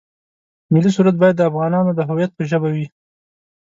ملي سرود باید د افغانانو د هویت په ژبه وي.